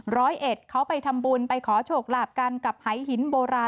ร้อยเอ็ดเขาไปทำบุญไปขอโชคลาบกันกับหายหินโบราณ